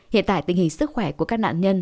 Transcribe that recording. hiện tại tình hình sức khỏe của các nạn nhân